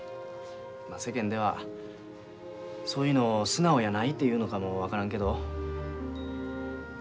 世間ではそういうのを素直やないていうのかも分からんけど。